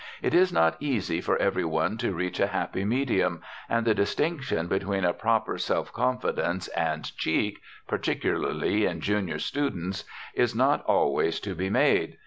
It is not easy for every one to reach a happy medium, and the distinction between a proper self confidence and "cheek," particularly in junior students, is not always to be made.